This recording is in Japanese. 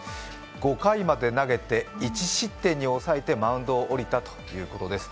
５回まで投げて１失点に抑えてマウンドを降りたということです。